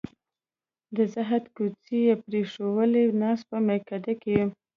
د زهد کوڅې یې پرېښوولې ناست په میکده کې